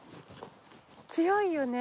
強いよね？